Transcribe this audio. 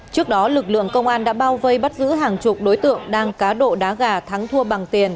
trước đó lực lượng công an đã bao vây bắt giữ hàng chục đối tượng đang cá độ đá gà thắng thua bằng tiền